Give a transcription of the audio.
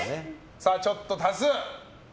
さあ、ちょっと足す。